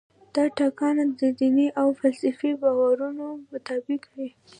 دا ټاکنه د دیني او فلسفي باورونو مطابق وي.